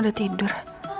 nih aku tidur